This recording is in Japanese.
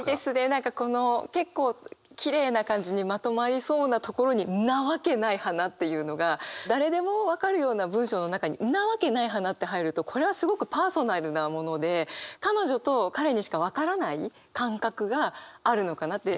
何かこの結構きれいな感じにまとまりそうなところに「んなわけない花」っていうのが誰でも分かるような文章の中に「んなわけない花」って入るとこれはすごくパーソナルなもので彼女と彼にしか分からない感覚があるのかなって。